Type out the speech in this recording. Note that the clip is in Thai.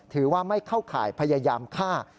ถือว่าไม่เข้าข่ายพยายามฆ่า